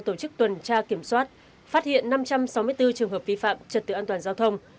tổ chức tuần tra kiểm soát phát hiện năm trăm sáu mươi bốn trường hợp vi phạm trật tự an toàn giao thông